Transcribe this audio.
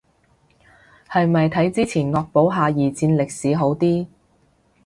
係咪睇之前惡補下二戰歷史好啲